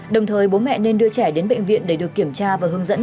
đồng thời bố mẹ nên đưa trẻ đến bệnh viện để được kiểm tra và hướng dẫn